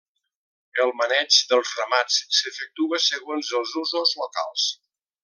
El maneig del ramat s'efectua segons els usos locals.